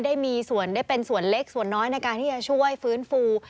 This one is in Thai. ได้เป็นส่วนเล็กส่วนน้อยในการที่จะช่วยฟื้นฟู